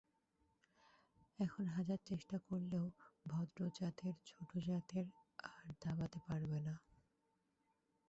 এখন হাজার চেষ্টা করলেও ভদ্র জাতেরা ছোট জাতদের আর দাবাতে পারবে না।